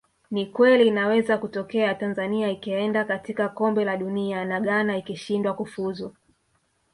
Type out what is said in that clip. Ni kweli inaweza kutokea Tanzania ikaenda katika Kombe la Dunia na Ghana ikishindwa kufuzu